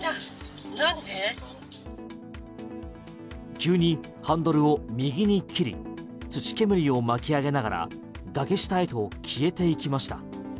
急にハンドルを右に切り土煙を巻き上げながら崖下へと消えていきました。